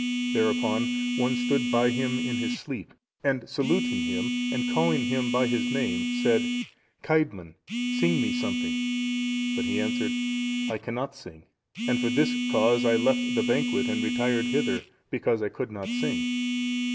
Thereupon one stood by him in his sleep, and saluting him, and calling him by his name, said, "Cædmon, sing me something." But he answered, "I cannot sing, and for this cause I left the banquet and retired hither, because I could not sing."